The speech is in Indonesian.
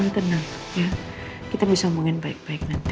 tenang ya kita bisa omongin baik baik nanti